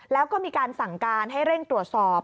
แล้วก็มีการสั่งการให้เร่งตรวจสอบ